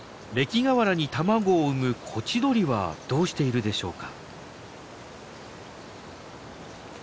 礫河原に卵を産むコチドリはどうしているでしょうか？